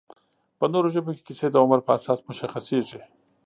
په نورو ژبو کې کیسې د عمر په اساس مشخصېږي